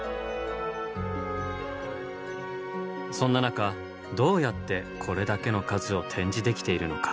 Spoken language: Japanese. そんな中どうやってこれだけの数を展示できているのか。